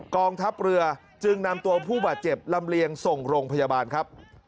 กองทัพเรือจึงนำตัวผู้บาดเจ็บลำเลียงส่งโรงพยาบาลครับ